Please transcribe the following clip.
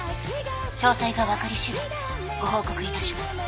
詳細が分かりしだいご報告いたします。